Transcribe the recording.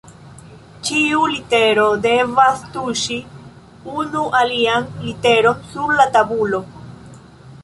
Ĉiu litero devas tuŝi unu alian literon sur la tabulo.